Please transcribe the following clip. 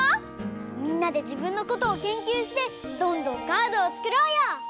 みんなで自分のことを研究してどんどんカードをつくろうよ！